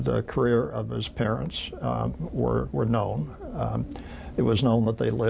แต่ว่าเรื่องสมมติของเวลาของเขา